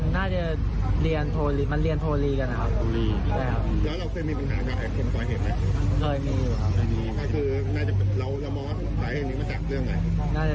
นายเห็นเหล่าน่ะ